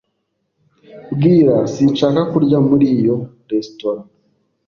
Bwira sinshaka kurya muri iyo resitora.